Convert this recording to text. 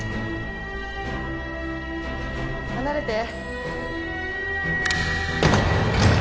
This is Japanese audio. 離れて。